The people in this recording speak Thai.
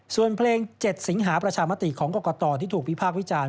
ส่วนเพลง๗สิงหาประชามติของกรกตที่ถูกวิพากษ์วิจารณ